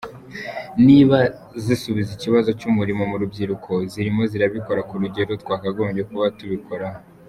Niba zisubiza ikibazo cy’umurimo mu rubyiruko, zirimo zirabikora ku rugero twakagombye kuba tubikoraho ?